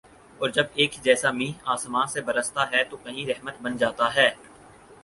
اور جب ایک ہی جیسا مینہ آسماں سے برستا ہے تو کہیں رحمت بن جاتا ہے